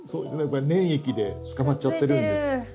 これ粘液で捕まっちゃってるんです。